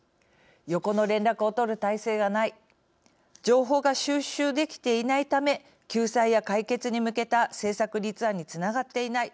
横の連絡をとる体制がない情報が収集できていないため救済や解決に向けた政策立案につながっていない